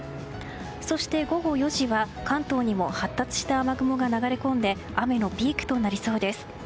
そして、午後４時は関東にも発達した雨雲が流れ込んで雨のピークとなりそうです。